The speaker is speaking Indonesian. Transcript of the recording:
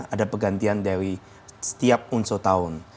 ada pergantian dari setiap unsur tahun